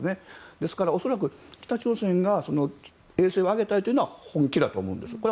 ですから、恐らく北朝鮮が衛星を上げたいのは本気だと思うんです。